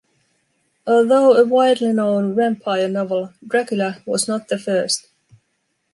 Although a widely known vampire novel, "Dracula" was not the first.